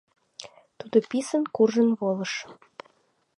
Тудо писын куржын волыш.